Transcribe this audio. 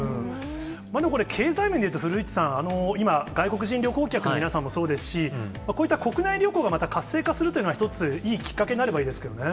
これ、経済面でいうと古市さん、今、外国人旅行客の皆さんもそうですし、こういった国内旅行が活性化するっていうのが、一ついいきっかけになればいいですけどね。